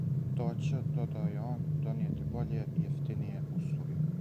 То ће, додао је он, донијети боље и јефтиније услуге.